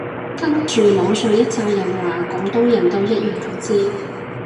跟住網上一柞人話廣東人都一樣咁支